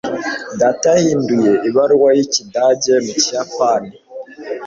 data yahinduye ibaruwa y'ikidage mu kiyapani